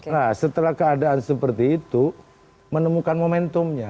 nah setelah keadaan seperti itu menemukan momentumnya